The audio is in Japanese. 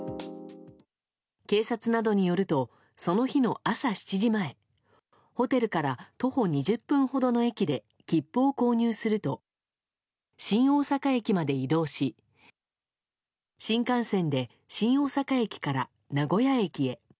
警察などによるとその日の朝７時前ホテルから徒歩２０分ほどの駅で切符を購入すると新大阪駅まで移動し新幹線で新大阪駅から名古屋駅へ。